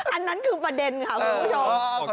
อันนั้นคือประเด็นค่ะคุณผู้ชม